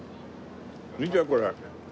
見てこれ。